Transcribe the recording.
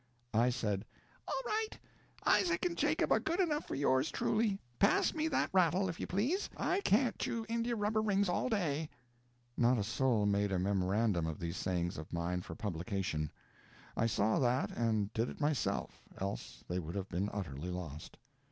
I said: "All right. Isaac and Jacob are good enough for yours truly. Pass me that rattle, if you please. I can't chew India rubber rings all day." Not a soul made a memorandum of these sayings of mine, for publication. I saw that, and did it myself, else they would have been utterly lost.